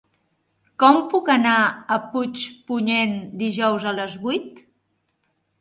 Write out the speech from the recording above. Com puc anar a Puigpunyent dijous a les vuit?